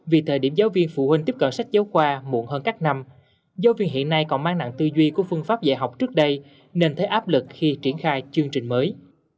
vì thời điểm giáo viên phụ huynh tiếp cận sách giáo khoa muộn hơn các năm giáo viên hiện nay còn mang nặng tư duy của phương pháp dạy học trước đây nên thấy áp lực khi triển khai chương trình mới